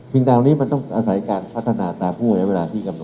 ถึงตรงนี้มันต้องอาศัยการพัฒนาต่างหลังเวลาที่กำหนด